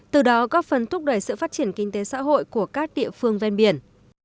từ đó góp phần thúc đẩy sự phát triển kinh tế xã hội của các địa phương ven biển